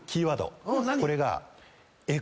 これが。